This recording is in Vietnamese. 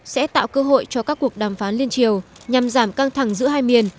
sẽ tạo cơ hội cho các cuộc đàm phán liên triều nhằm giảm căng thẳng giữa hai miền